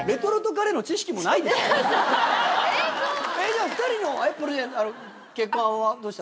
じゃあ２人のどうした？